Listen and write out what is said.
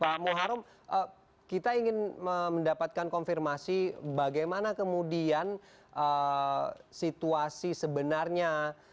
pak muharrem kita ingin mendapatkan konfirmasi bagaimana kemudian situasi sebenarnya